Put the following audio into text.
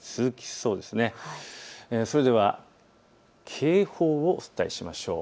それでは警報をお伝えしましょう。